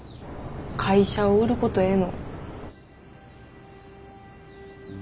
会社を売ることへの。